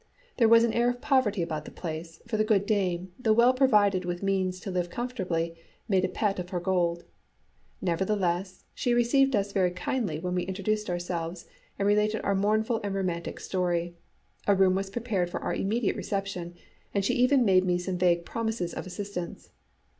There was an air of poverty about the place, for the good dame, though well provided with means to live comfortably, made a pet of her gold. Nevertheless, she received us very kindly when we introduced ourselves and related our mournful and romantic story; a room was prepared for our immediate reception, and she even made me some vague promises of assistance.